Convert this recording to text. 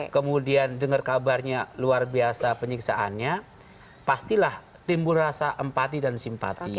kemudian dengar kabarnya luar biasa penyiksaannya pastilah timbul rasa empati dan simpati